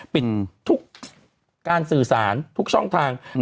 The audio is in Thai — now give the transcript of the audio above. ปิดทุกการสื่อสารทุกช่องทาง